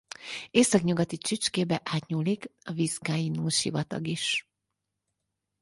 Északnyugati csücskébe átnyúlik a Vizcaíno-sivatag is.